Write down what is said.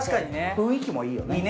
雰囲気もいいよね。